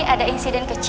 kalau mama gak akan mencari